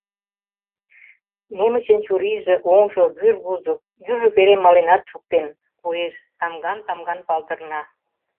Немычын чурийже, оҥжо вӱрвузык, южо вере маленат шуктен, коеш: тамган-тамган палдырна.